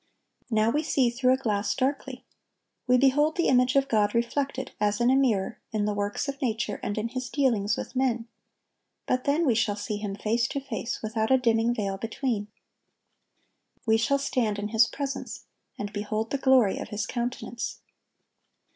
"Now we see through a glass, darkly."(1192) We behold the image of God reflected, as in a mirror, in the works of nature and in His dealings with men; but then we shall see Him face to face, without a dimming veil between. We shall stand in His presence, and behold the glory of His countenance.